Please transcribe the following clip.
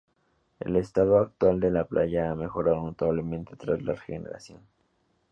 El estado actual de la playa ha mejorado notablemente tras la regeneración.